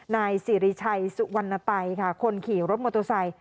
นายสิริชัยสุวรรณไปค่ะคนขี่รถมอโตซัย